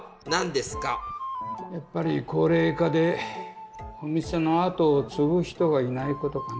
やっぱり高齢化でお店のあとをつぐ人がいないことかな。